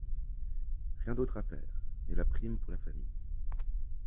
Rien d’autre à faire. Et la prime pour la famille.